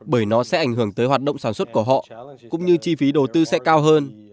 bởi nó sẽ ảnh hưởng tới hoạt động sản xuất của họ cũng như chi phí đầu tư sẽ cao hơn